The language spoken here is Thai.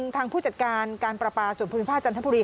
ทางผู้จัดการการประปาส่วนภูมิภาคจันทบุรี